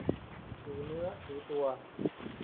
ถือเนื้อถือตัว